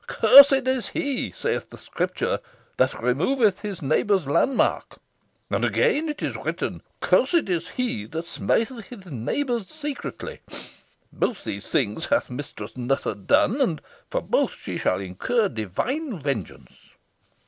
"'Cursed is he,' saith the scripture, 'that removeth his neighbour's landmark.' And again, it is written, 'Cursed is he that smiteth his neighbour secretly.' Both these things hath Mistress Nutter done, and for both shall she incur divine vengeance."